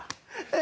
え